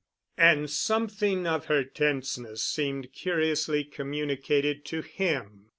And something of her tenseness seemed curiously communicated to him.